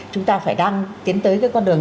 chúng ta phải đang tiến tới cái con đường